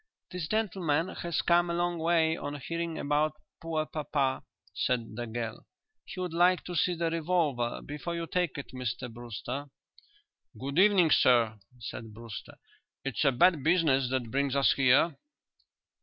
"This gentleman has come a long way on hearing about poor papa," said the girl. "He would like to see the revolver before you take it, Mr Brewster." "Good evening, sir," said Brewster. "It's a bad business that brings us here."